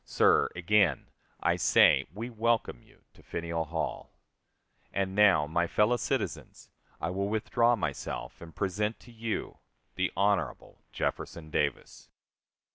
Sir, again, I say we welcome you to Faneuil Hall. And now, my fellow citizens, I will withdraw myself and present to you the Hon. Jefferson Davis.